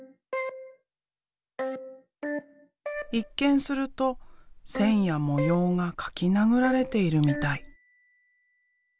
一見すると線や模様が書きなぐられているみたい。